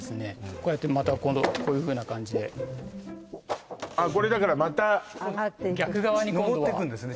こうやってまた今度こういうふうな感じであっこれだからまた逆側に今度は上っていくんですね